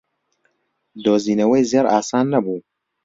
دۆزینەوەی زێڕ ئاسان نەبوو.